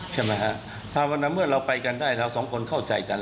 ใช่ไหมฮะถ้าวันนั้นเมื่อเราไปกันได้เราสองคนเข้าใจกัน